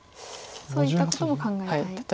そういったことも考えたい。